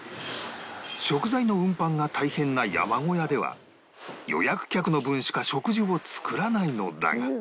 食材の運搬が大変な山小屋では予約客の分しか食事を作らないのだが